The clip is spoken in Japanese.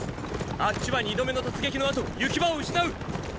あっちは二度目の突撃の後行き場を失う！！